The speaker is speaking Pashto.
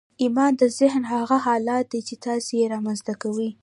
ايمان د ذهن هغه حالت دی چې تاسې يې رامنځته کوئ.